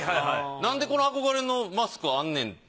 なんでこの憧れのマスクあんねんって。